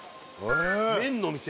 麺の店